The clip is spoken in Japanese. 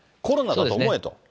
コロナだと思えと。